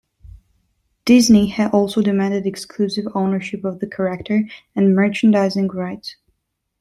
Disney had also demanded exclusive ownership of the character, and merchandising rights.